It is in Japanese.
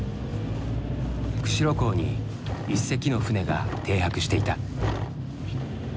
釧路港に１隻の船が停泊していた。